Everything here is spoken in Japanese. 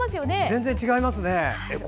全然違いますね。